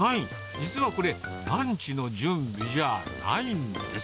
実はこれ、ランチの準備じゃあないんです。